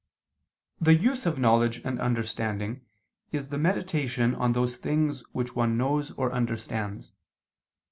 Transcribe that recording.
The use of knowledge and understanding is the meditation on those things which one knows or understands.